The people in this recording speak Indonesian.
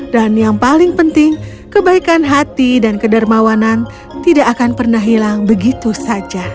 dan yang paling penting kebaikan hati dan kedermawanan tidak akan pernah hilang begitu saja